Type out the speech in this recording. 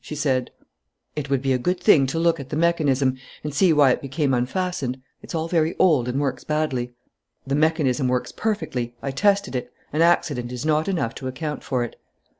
She said: "It would be a good thing to look at the mechanism and see why it became unfastened. It's all very old and works badly." "The mechanism works perfectly. I tested it. An accident is not enough to account for it."